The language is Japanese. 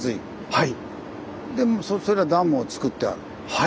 はい。